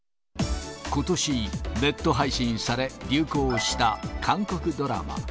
ことし、ネット配信され、流行した韓国ドラマ。